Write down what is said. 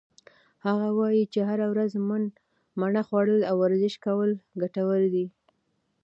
هغه وایي چې هره ورځ مڼه خوړل او ورزش کول ګټور دي.